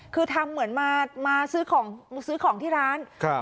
คือทำเหมือนมาซื้อของมาซื้อของที่ร้านครับ